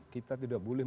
kita tidak boleh